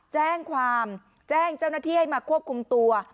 แจ้งความแจ้งเจ้าหน้าที่ให้มาควบคุมตัว